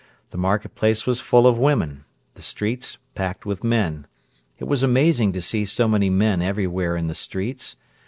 The market place was full of women, the streets packed with men. It was amazing to see so many men everywhere in the streets. Mrs.